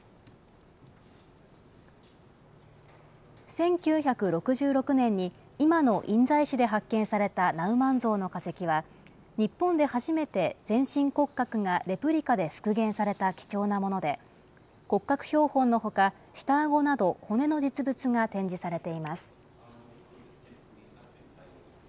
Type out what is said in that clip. １９６６年に、今の印西市で発見されたナウマンゾウの化石は、日本で初めて全身骨格がレプリカで復元された貴重なもので、骨格標本のほか、下あごなど骨の実物が展示されています。